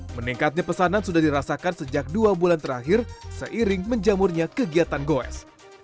meningkatnya pesanan sudah dirasakan sejak dua bulan terakhir seiring menjamurnya kegiatan goes